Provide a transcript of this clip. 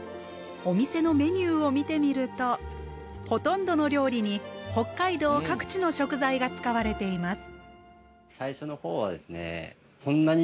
お店のメニューを見てみるとほとんどの料理に、北海道各地の食材が使われています。